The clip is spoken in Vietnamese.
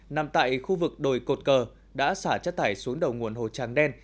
nằm tại khu vực đồi cột cờ đã xả chất thải xuống đầu nguồn hồ tràng đen